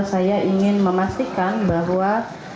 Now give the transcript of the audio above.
saya ingin memastikan bahwa